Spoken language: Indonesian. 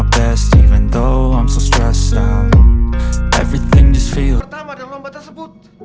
pertama dalam lomba tersebut